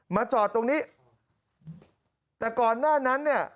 จอดตรงนี้แต่ก่อนหน้านั้นเนี่ย